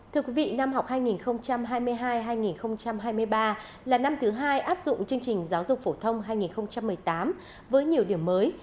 thưa quý vị năm học hai nghìn hai mươi hai hai nghìn hai mươi ba là năm thứ hai áp dụng chương trình giáo dục phổ thông hai nghìn một mươi tám với nhiều điểm mới